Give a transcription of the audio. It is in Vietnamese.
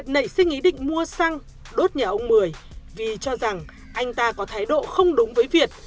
nảy sinh ý định mua xăng đốt nhà ông mười vì cho rằng anh ta có thái độ không đúng với việt